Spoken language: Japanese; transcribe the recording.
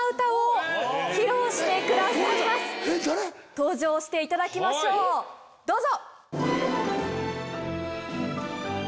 登場していただきましょうどうぞ！